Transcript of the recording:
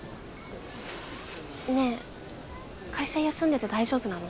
ねえ会社休んでて大丈夫なの？